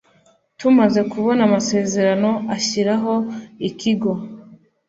Tumaze kubona amasezerano ashyiraho ikigo